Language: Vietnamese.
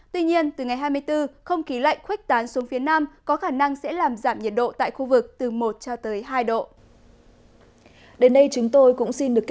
tuy nhiên từ ngày hai mươi bốn không khí lạnh khuếch tán xuống phía nam có khả năng sẽ làm giảm nhiệt độ tại khu vực từ một cho tới hai độ